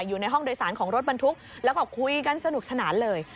อยู่ในห้องโดยสารของรถบรรทุกแล้วก็คุยกันสนุกสนานเลย